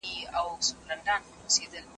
تاسي ولي په دغه ځای کي بېدېږئ؟